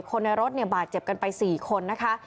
คนในรถเนี่ยบาดเจ็บกันไป๔คนนะคะ